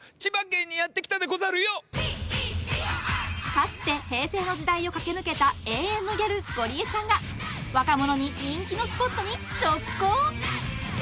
かつて平成の時代を駆け抜けた永遠のギャル、ゴリエちゃんが若者に人気のスポットに直行！